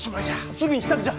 すぐに支度じゃ！